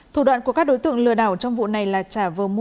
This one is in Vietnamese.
thủ đoạn của các đối tượng lừa đảo trong vụ này là trả vờ mua